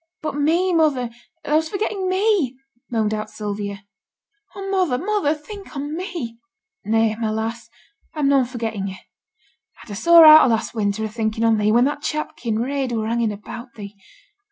'But me, mother, thou's forgetting me,' moaned out Sylvia. 'Oh, mother, mother, think on me!' 'Nay, my lass, I'm noane forgetting yo'. I'd a sore heart a' last winter a thinking on thee, when that chap Kinraid were hanging about thee.